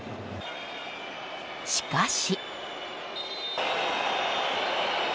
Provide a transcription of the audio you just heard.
しかし。